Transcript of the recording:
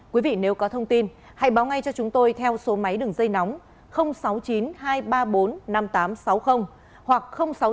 quý vị nếu có thông tin hãy báo ngay cho chúng tôi theo số máy đường dây nóng sáu mươi chín hai trăm ba mươi bốn năm nghìn tám trăm sáu mươi hoặc sáu mươi chín hai trăm ba mươi hai một nghìn sáu trăm sáu mươi